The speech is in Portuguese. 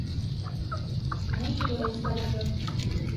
Muito doente da garganta